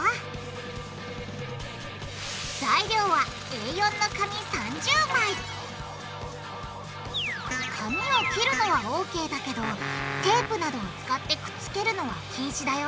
材料はＡ４の紙３０枚紙を切るのはＯＫだけどテープなどを使ってくっつけるのは禁止だよ